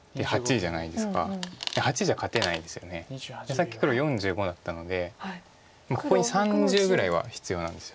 さっき黒４５だったのでここに３０ぐらいは必要なんです。